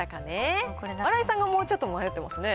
新井さんがちょっと迷ってますね。